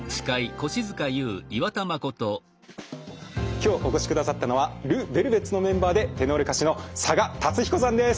今日お越しくださったのはＬＥＶＥＬＶＥＴＳのメンバーでテノール歌手の佐賀龍彦さんです。